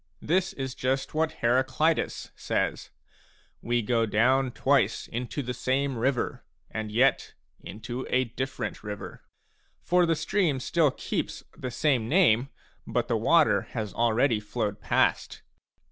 This is just what Heraclitus b says :" We go down twice into the same river, and yet into a different river." For the stream still keeps the same name, but the water bas already flowed past.